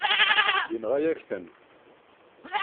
Yenɣa-yak-ten.